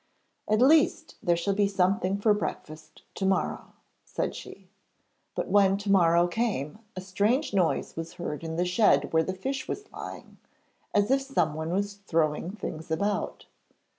'At least, there shall be something for breakfast to morrow,' said she. But when to morrow came a strange noise was heard in the shed where the fish was lying, as if someone was throwing things about.